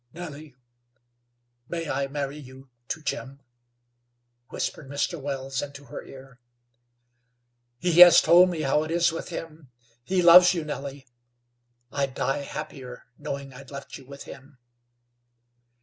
"Nellie, may I marry you to Jim?" whispered Mr. Wells into her ear. "He has told me how it is with him. He loves you, Nellie. I'd die happier knowing I'd left you with him."